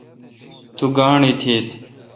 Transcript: تو گاݨڈ ایتھت۔